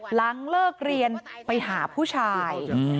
หลังเลิกเรียนไปหาผู้ชาย